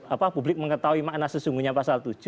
apa publik mengetahui makna sesungguhnya pasal tujuh